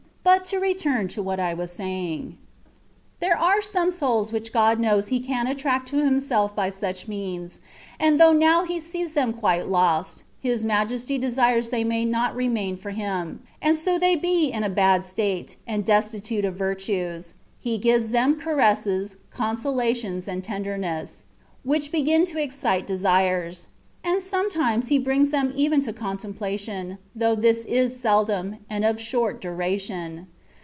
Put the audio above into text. But to re turn to what I was saying. There are some souls which God knows He can attract to himself by such means ; and though now He sees them quite lost, His majesty desires they may not remain for Him ;* and so though they be in a bad state, and destitute of virtues, He gives them caresses, consolations, and tender ness, which begin to excite desires; and some times He brings them even to contemplation, though this is seldom, and of short duration.